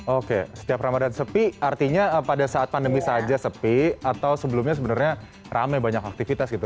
oke setiap ramadan sepi artinya pada saat pandemi saja sepi atau sebelumnya sebenarnya rame banyak aktivitas gitu